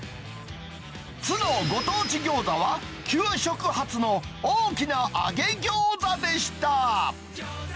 津のご当地餃子は、給食初の大きな揚げ餃子でした。